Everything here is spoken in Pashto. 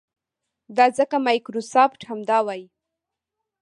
دا ځکه مایکروسافټ همدا وايي.